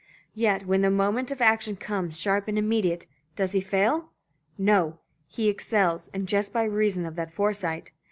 Yet when the moment of action comes, sharp and immediate, does he fail? No, he excels, and just by reason of that foresight.